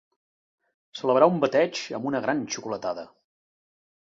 Celebrar un bateig amb una gran xocolatada.